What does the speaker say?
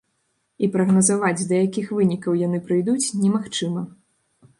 І прагназаваць, да якіх вынікаў яны прыйдуць, немагчыма.